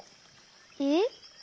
えっ？